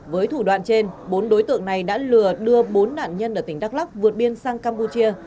với thủ đoạn trên bốn đối tượng này đã lừa đưa bốn nạn nhân ở tỉnh đắk lóc vượt biên sang campuchia